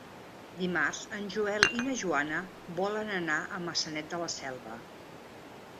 Dimarts en Joel i na Joana volen anar a Maçanet de la Selva.